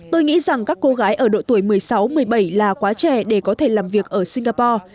tôi nghĩ rằng các cô gái ở độ tuổi một mươi sáu một mươi bảy là quá trẻ để có thể làm việc ở singapore